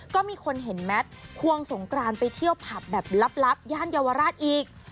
ก็มีคนเห็นแมทควงสงกรานไปเที่ยวผับแบบลับย่านเยาวราชอีก